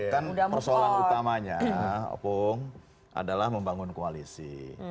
kan persoalan utamanya opung adalah membangun koalisi